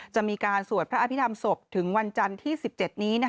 จะมีการสวดพระอภิษฐรรมศพถึงวันจันทร์ที่๑๗นี้